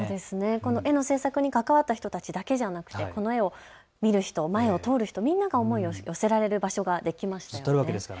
この絵の制作に関わった人たちだけじゃなくてこの絵を見る人、前を通る人、みんなが思いを寄せられる場所ができましたよね。